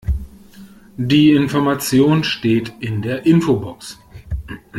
Die Information steht in der Infobox.